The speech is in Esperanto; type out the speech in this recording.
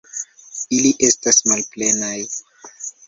Ili estas malplenaj.